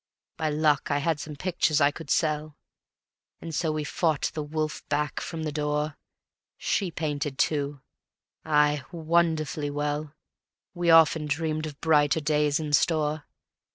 ... By luck I had some pictures I could sell, And so we fought the wolf back from the door; She painted too, aye, wonderfully well. We often dreamed of brighter days in store.